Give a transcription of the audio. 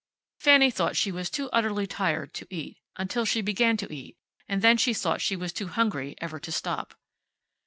Fanny thought she was too utterly tired to eat, until she began to eat, and then she thought she was too hungry ever to stop.